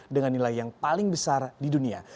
dengan nilai yang paling besar di dunia